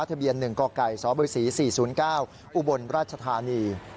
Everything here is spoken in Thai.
ทะเบียน๑กกสบศ๔๐๙อุบลราชธานี